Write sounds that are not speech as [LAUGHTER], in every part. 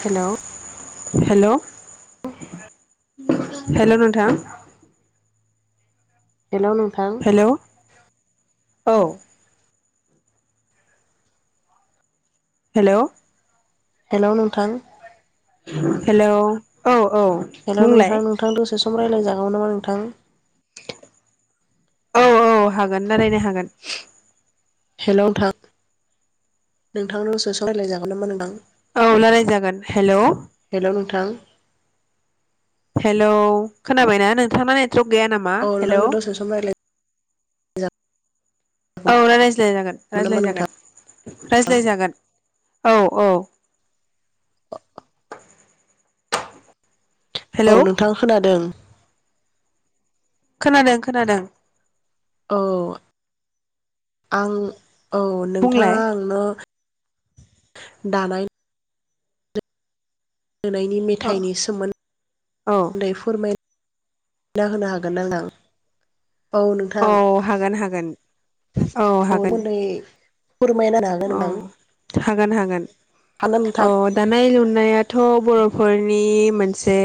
हेल' hello hello नोंथां hello नोंथां hello औ हेल' हेल' नोंथां हेल' औ औ बुंलाय फन रायलायजागौ नामा नोंथां औ औ हागोन रायलायनो हागोन हेलौ नोंथां नोंथांनावसो सावायलायजागोन नामा नोंथां। औ लाराय जागोन हेलौ हेलौ नोंथां हेलौ खोनाबायना नोंथाङा नेटवरक गैया नामा औ हेलौ नोंथांजों दसे सम रायलाय औ रायज्लायोन जागौमोन नामा नोंथां रायज्लायजागोन औ औ औ हेलौ नोंथां खोनादों खोनादों खोनादों औ आं औ बुंलाय नोंथाङा आंनो दानाय लुनायनि अ मेथाइनि औ सोमोन्दैै फोरमाय मिना होनो हागोन नांदां औ हागोन हागोन औ हागोन फोरमायनो हागोन औ नोंथां हागोन हागोन। हागोन ना अ नोंथां दानाय लुनायाथ' बर'फोरनि मोनसे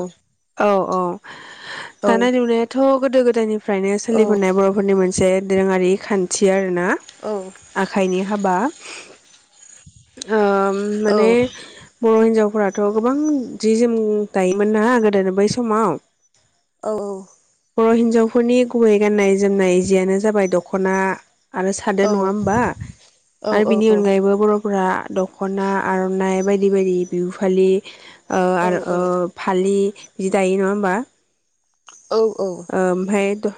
[INAUDIBLE] औ औ औ दानाय लुनायाथ' गोदो गोदायनि औ फ्रायसोलिबोनाय बर'फोरनि मोनस से दोरोङारि खान्थि आरो ना आखाइनि हाबा। ओ औ माने बर' हिनजाव फोरथ' गोबां जि जोम दायोमोन ना। गोदोनो बै समाव। औ औ बर' हिन्जावफोरनि गुबै गाननाय जोमनाय जियानो जाबाय दख'ना। आरो सादोर नङा औ होमबा औ आरो औ बिनि औ अनगायैबो बर' फोरा। दख'ना आर'नाइ बायद बायदि बायदि बिहु फालि ओ औ आरो औ ओ फालि! बिदि दायो नङा होमबा। औ ओ आमफ्रहाय द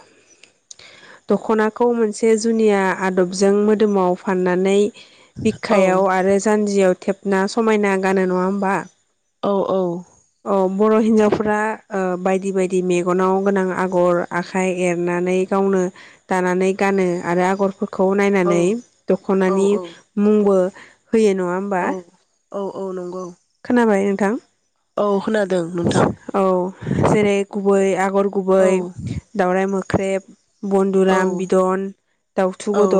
दख'नाखौ मोनसे जुनिया आदबजों मोदोमाव फाननानै! बिखायाव आरो जानजियाव। थेबना समायना गानो नङा होमबा। औ। औ। औ बर' हिन्जावफोरा ओ बायदि बायदि मेगनाव गोनां आगर आखाइ एरनानै गावनो दानानै गानो आरो आगर फोर खौ नायनानै औ दख'नानि मुंबो होयो नङा होमबा। औ औ औ नंगौ। खोनाबाय नोंथां। औ खोनादों नोंथां औ जेरै गुबै आग आगर औ गुबै दावरायाइ मोख ख्रेब औ बन्दुराम बिदन दाउथु औ गद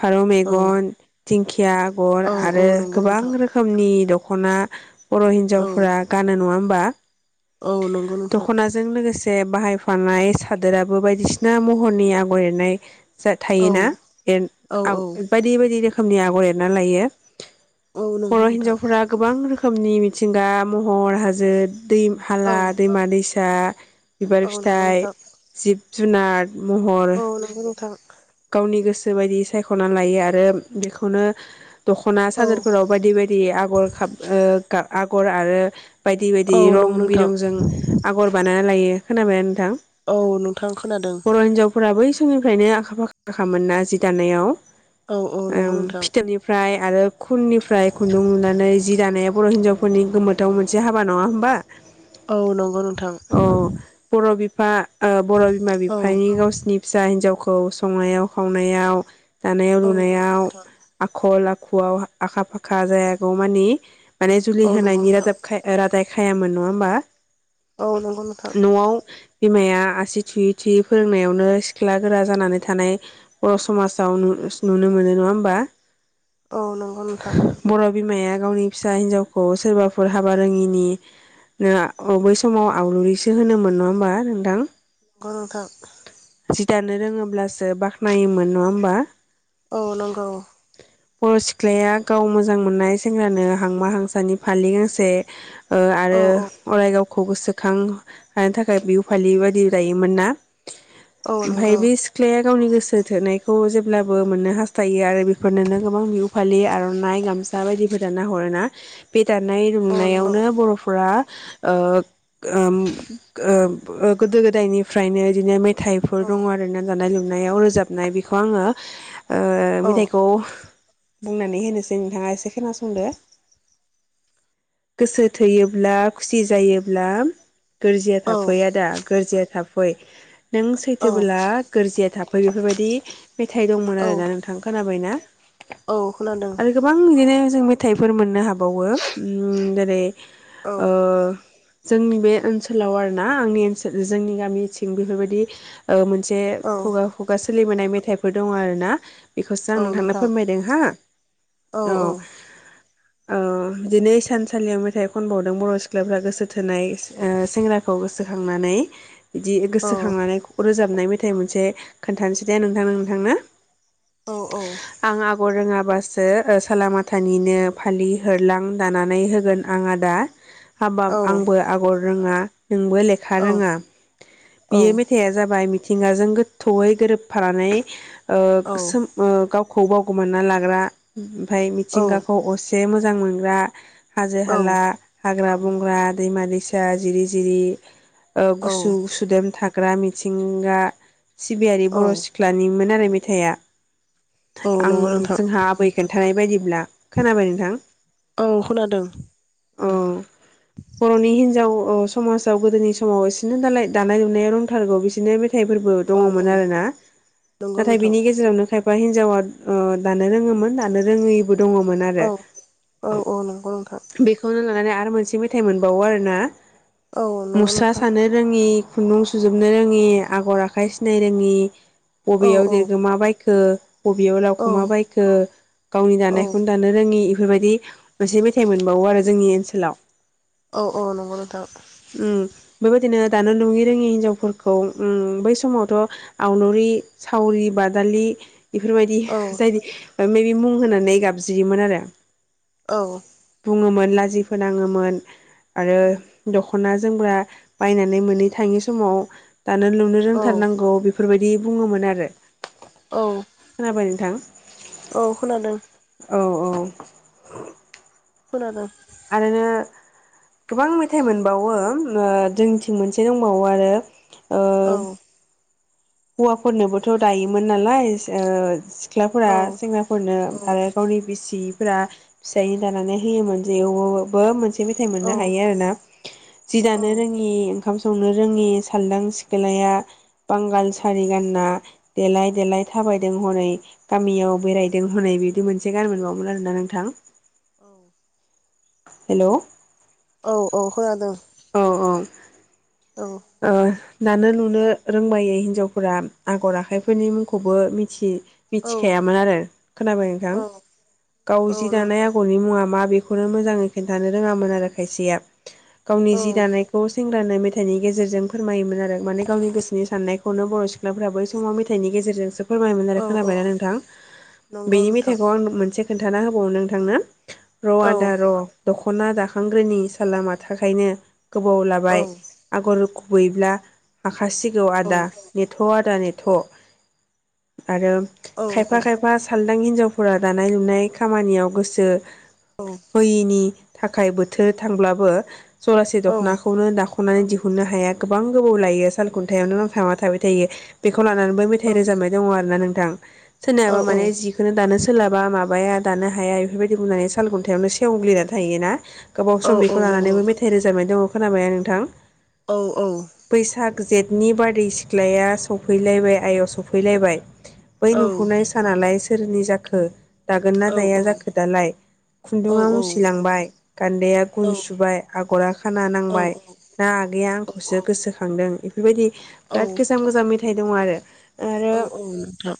फारौ मेगन औ देंखि या आगर औ आरो नंगौ गोबां नोंथां रोखोमनि द खना बर' औ हिन्जावफोरा गानो नङा ओम बा औ नंगौ नोंथां। जे बाहायफानाय सादोराबो बायदिसिना महरनि आगर एरनाय जा औ थायोना एन औ आग औ बायदि बायदि रो खोमनि आगर एरना लायो औ बर' नंगौ नोंथां। हिन्जावफोरा गोबां रोखोमनि मिथिंगा महर हाजो दै औ हाला दैमा दैसा बिबार औ नंगौ फिथाइ नोंथां जिब जुनार महर औ नंगौ नोंथां गावनि गोसो बायदि सायखना लायो आरो बेखौनो दखना औ सानदोरफोराव बायदि बायदि आगर खाब ओ गा आगर आरो बायदि औ बायदि रं नंगौ नोंथां बिरंजों आगर बानायना लायो खोना बाय नोंथां औ नोंथां खोनादों बर' हिनजावफोरा बै स मनिफ्रायनो आखा फा खाखामोनना जि दानायाव औ फिथोबनिफ्राय आरो खुननिफ्राय खुन्दुं लुनानै जि दानाया बर' हिन्जावफोरनि गोमोथाव मोनसे हाबा नङा होमबा? औ नंगौ नोंथां। फा ओ बर' बिमा औ बिफानि गावसिनि फिसा हिनजावखौ औ संनायाव खावनायाव दानायाव औ नंगौ लुनायाव नोंथां आखल आ खुआव आखा फाखा जायागौ मानि माने औ जुलि नंगौ होनायनि नोंथां रादाब खा ओ रादाय खायामोन नङा ओमबा? औ नोंगौ नोंथां बिमाया आसि थुयै थुयै फोरोंनायावनो सिख्ला गोरा जानानै थानाय बर' समाजाव नुनो मोनो नङा होमबा औ नंगौ नोंथां बर' बिमाया गावनि फिसा हिनजावखौ सोरबाफोर हाबा रोङिनि नो अ बै समाव औ आवलुरिसो होनोमोनन' होमबा नोंथां ओ नोंथां जि दानो रोङोब्लासो बाख्नायोमोन नङा होमबा औ नंगौ बर' सिख्लाया गाव मोजां मोननाय सेंग्रानो हांमा हांसानि फालि गांसे ओ औ आरो औ अराय गाव खौ गोसोखां हानो थाखाय बिहु फालि बायदि दायोमोन ना औ ओमफाय नंगौ बे सिख्लाया गावनि गोसो थोनायखौ जे अब्लाबो मोननो हास्थायो आरो बे नोनो गोबां बिहु फालि आर'नाइ गामसा बायदिफोर दाना हरो ना बे दानाय औ नंगौ लुनायावनो बर'फोरा ओ ओम ओम गोदो गोदायनिफ्रायनो बिदिनो मे थायफोर औ दङ आरो ना जानाय लोंनाय नायाव रोजाबनाय बेखौ आङो ओ औ मेथाइखौ बुंनानै होनोसै नोंथाङा एसे खोनासंदो गोसो थैयोब्ला खुसि जायोब्ला गोरजिया औ थाफै आदा गोरिजया थाफ गय नों सैथोबोला गोरजिया थाफ बेफोरबायदि मेथाइ दंमोन औ आरोना नोंथां थाबायना [UNINTELLIGIBLE] औ खोनादों आरो गोबां बिदिनो जों मेथाइफोर मोननो हाबावो उम जेरै औ ओ नोंथां जोंनि बे ओनसोलाव आरो ना आंनि ओनसोल जोंनि गामिथिं बेफोरबायदि ओ जे औ खुगा खुगा सो सोलिबोनाय मेथाइफोर दंङ आरोना बेखौसो आं औ नोंथांनो नोंथां फोरमायदों हो औ ओ दिनै सानसालियाव मेथाइ खनबावदों बर' सिख्लाफ्रा गोसो थोनाय ओ सेंग्राखौ गोसोखांनानै बिदि औ गोसो खांनानै ख रोजाब नाय मेथाइ मोनसे खोन्थानोसै दे नोंथां नोंथांनो। औ औ आं आगर रोंङा बासो साला माथानिनो फालि होरलां दानानै होगोन आं आदा हाबाब आंबो आगर रोंङा नोंबो लेखा औ रोंङा बेयो मेथाइआ जाबाय मि थिंगाजों गोथौयै गोरोबफानानै ओ सोमो ओ गाव खौ बावगोमना लाग्रा ओमफाय मिथिंगाखौ असि बे मोजां मोनग्रा हाजो हाला हाग्रा बंग्रा दैमा दैसा जिरि जिरि ओ गुसु-गुसु सुदेम थाग ग्रा मिथिंगा सिबियारि बर' सिख्लानिमोन आरो मि थाइया आं नंगौ नोंथां जोंहा आबै खोन्थानाय बायदिब्ला खोनाबाय नोंथां? औ खोनादों औ बर'नि हिन्जाव ओ समाजाव गोदोनि समाव एसेनो दालाय दानाय लुनाया रंथारगौ बिसिनो थाइफोरबो औ औ दंङमोन आरोना नंगौ नाथाय नोंथां बिनि गेजेरावनो एबा हिनजावा ओ दानो रोंङोमोन दानो रोंङै बो दंङमोन आरो औ औ औ नंगौ नोंथां बेखौनो लानानै आर आ मोनसे मेथाइ मोनबावो आरोना। औ नंगौ मुस्रा नोंथां सानो रोंङि खुन्दुं सुजोबनो रोंङि आगर आखाइ सिनाय रोंङि औ बबेयाव औ देगोमा बाय खो बबेयाव औ लावखुमा बायखो गावनि औ दानायखौनो दानो रोंङि फोरबायदि मोनसे मेथाइ मोनबावो आरो जोंनि ओनसोलाव। औ औ नंगौ नोंथां। उम बेबायदिनो दानो लुयि रोङि हिनजावफोरखौ उम बै समावथ' आवलुरि सावरि बादालि [INAUDIBLE] बेफोरबायदि जायनि मेरि मुं होनानै गाबज्रियोमोन आरो। बुङोमोन ला जि फोनाङोमोन आरो दख'ना जोमग्रा बायनानै मोनै थाङै समाव दानो लुनो औ रोंथारनांगौ बेफोर बाय दि बुङोमोन आरो। औ खोनाबाय नोंथां औ खोनादों। औ औ। खोनादों। आरोनो गोबां मेथाइ मोनबावो ओ जोंनिथिं मोनसे दंबावो आरो ओ औ। हौवाफोरनोबोथ' दायोमोन नालाय [UNINTELLIGIBLE] सिख्लाफोरा सेंग्राफोरनो औ आरो गावनि बिसि फोरा फिसायनो दानानै होयोमोन जेवबो मोनसे मेथाइ औ मोननो हायो आरो ना जि दानो रोङि ओंखाम संनो रोङि साल्दां सिखोलाया बां औ सारि गानना देलाय देलाय थाबायदों हनै गामियाव बेरायदों हनै बिबो मोनसे गान मोनबावोमोन आरो ना नोंथां। औ। हेलौ औ औ खोनादों। औ औ। औ ओ दानो लुनो रोंबायै हिनजावफोरा आगर आखाइफोरनि मुंखौबो मिथि मिथिखायामोन आरो खोनाबाय नोंथां औ गाव औ जि दानाय नंगौ आगरनि मुङा मा बे खौनो मोजाङै खिन्थानो रोङामोन आरो खायसेया। गावनि औ जि दानायखौ सेंग्रानो मे थाइनि गेजे जेरजों फोरमायोमोन आरो माने गावनि गोसोनि साननायखौनो बर' सिख्लाफ्रा बै समाव मेथाइनि गेजेरजोंसो फोरमायोमोन आरो औ औ खोनाबायना नोंथां? नंगौ बेनि नोंथां मेथाइखौ आं मोनसे खोन्थाना होबावो नोंथांनो र' आदा औ र' दख दखना दाखांग्रोनि सालामाथा खायनो गोबाव औ लाबाय बर गुबैब्ला [UNINTELLIGIBLE] खासिगौ औ आदा नेट आदा ने थ आरो औ खायफा खायफा साल दां हिनजावफोरा दानाय लुनाय खामानियाव गोसो होयिनि थाखाय बोथोर थांब्लाबो जरासे औ दखनाखौनो दाख नानै दिहु खुनो हाया गोबां गोबाव लायो साल सालखुन्थायावनो नांथाबना थाबाय थायो बे खौ लानानैबो मेथाइ रोजाबनाय दङ आरो ना नों थां औ सोरनायाबा माने औ नंगौ जिखोनो दानो सो सोलाबा माबाया दानो हाया बेफोरबायदि बुंनानै साल खुन्थायावनो सेवग्लिना थायोना? गोबाव औ सम बेखौ लानानैबो मेथाइ रोजाबनाय दङ खोनाबायना नोंथां? औ औ जेटनि बारादै सिख्लाया सफैलायबाय आय सफैलायबाय बै औ नुहुरनाय सानालाय सोरनि जाखो दागोन ना दाया जाखो दालाय खुन्दुङा मुसिलांबाय गान्दैया गुन सुबाय आगरा खाना नांबाय ना आंखौसो गोसोखां दों दों बेबायदि बिराद गोजाम गोजाम मेथाइ दङ आरो आरो औ औ नोंथां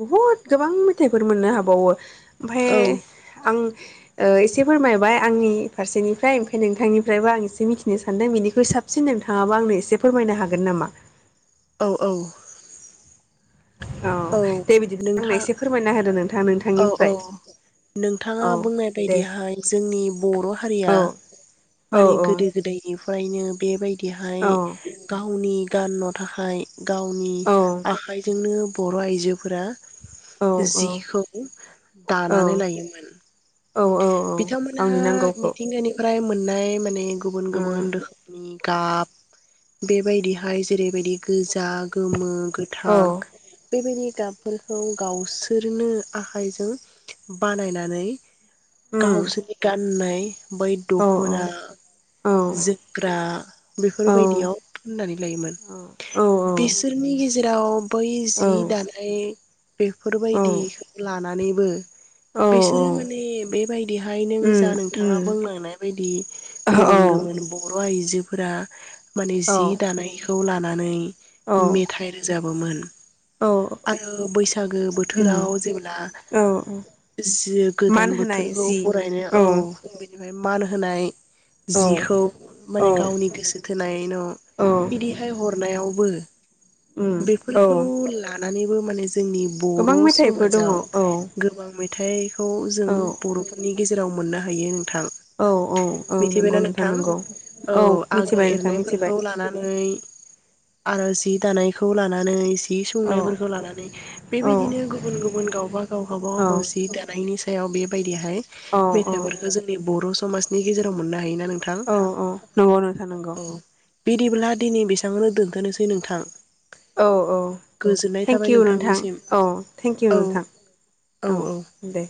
बुहुद गोबां मेथाइफोर मोननो हाबावो ओमफाय औ आं ओ एसे फोरमायबाय आंनि फारसेनिफ्राय ओमफ्राय नोंथांनिफ्रायबो आं ए एसे मिथिनो सानदों बेनिखुइ साबसिन नोंथाङाबा आंनो एसे फोरमायनो हागोन नामा? औ औ औ दे बिदि [UNINTELLIGIBLE] आंनो एसे फोरमायना होदो नोंथां औ औ नोंथांनिफ्राय नोंथाङा औ बुंनाय दे बायदिहाय जोंनि बर हारिया औ औ माने औ गोदो गोदायनि फ्रायनो बेबाय दिहाय औ गावनि गानन' थाखाय गावनि औ आखाइजोंनो बर' आइजोफोरा औ औ जिखौ दानानै लायोमोन औ औ औ बिथांमोना गावनि नांगौखौ मिथिंगानि फ्राय मोननाय माने गुबुन गुबुन रोखोमनि गाब बेबायदिहाय जेरैबायदि गोजो जा गोमो गोथां औ बेबायदि गाबफोरखौ गावसोरनो आखाइजों बानायनानै उम गावसोनि गाननाय [UNINTELLIGIBLE] बै औ औ दखना औ जोमग्रा औ बेफोरबायदियाव फोननानै लायोमोन औ बिसोरनि गेजेराव बै जि दानाय बेफोरबायदिखो नानैबो बिसोरो माने बेबायदिहाय नों जा उम नोंथाङा उम बुंलांनाय बायदि औ गुबुन औ गुबुन बर' अ आइजोफोरा माने जि दानायखौ ला नानै औ मेथाइ रोजाब बोमोन औ आरो बैसागो उम बोथोराव औ [UNINTELLIGIBLE] जि मान गोदान होनाय बोथोरखौ जि बरायनाया औ [UNINTELLIGIBLE] मान होनाय औ जिखौ औ माने गावनि गोसो थोनायनो औ बिदिहाय हरनायावबो [INAUDIBLE] उम औ नानैबो माने जोंनि गोबां बर' मेथाइफोर समाज दङ औ [UNINTELLIGIBLE] गोबां मे थै। खौ जों औ बर'फोरनि। गेजेराव मोननो हायो थां औ औ औ नंगौ मिथिबायना नोंथां नंगौ औ आगोर मिथिबाय नोंथां मिथिबाय एरनायफोरखौ लानानै आरो जि दानायखौ लानानै। जि औ सुंनायफोरखौ लानानै औ बेबायदिनो गुबुन गु बुन गावबा औ गाव [UNINTELLIGIBLE] जि दानायनि। [UNINTELLIGIBLE] बेबायदिया। औ [UNINTELLIGIBLE] मेथाइफोरखौ जोंनि बर' समाज नि गेजेराव मोननो हायोना नों थां औ औ नंगौ नोंथां नंगौ औ बिदिब्ला। दिनै बेसांङावनो दोन्थ'नोसै नोंथां। औ औ गोजोननाय थाबाय थेंकिउ नोंथां नोंथांनिसिम औ थें औ [UNINTELLIGIBLE] थां औ दे।